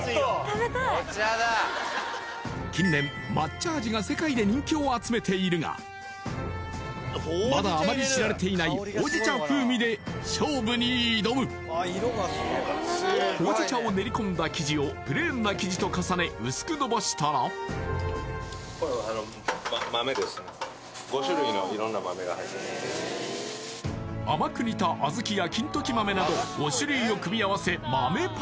近年抹茶味が世界で人気を集めているがまだあまり知られていないほうじ茶風味で勝負に挑むほうじ茶を練り込んだ生地をプレーンな生地と重ね薄くのばしたら甘く煮た小豆や金時豆など５種類を組み合わせ豆パンに